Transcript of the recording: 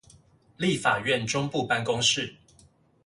立法院中部辦公室